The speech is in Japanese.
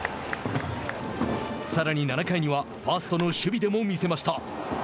さらに７回にはファーストの守備でも見せました。